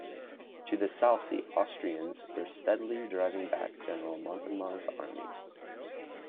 To the south the Austrians were steadily driving back General Montemar's army.